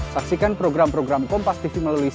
saksikan program program kompas tv melalui